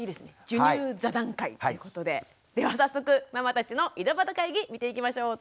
授乳座談会ということででは早速ママたちの井戸端会議見ていきましょう。